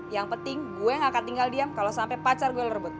yang penting gue gak akan tinggal diam kalo sampe pacar gue lerbut